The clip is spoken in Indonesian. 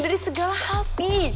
dari segala hati